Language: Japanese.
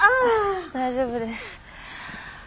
大丈夫です。